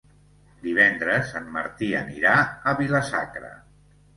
Divendres en Martí anirà a Vila-sacra.